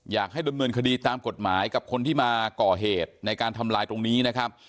อยากให้ดำเนินคดีตามกฎหมายกับคนที่มาก่อเหตุในการทำลายตรงนี้นะครับ